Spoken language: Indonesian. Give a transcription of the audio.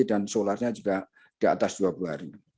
dan solarnya juga di atas dua puluh hari